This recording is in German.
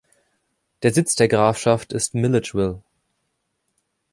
Der Sitz der Grafschaft ist Milledgeville.